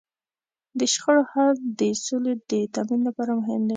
د شخړو حل د سولې د تامین لپاره مهم دی.